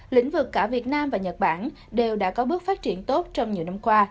lĩnh vực cả việt nam và nhật bản đều đã có bước phát triển tốt trong nhiều năm qua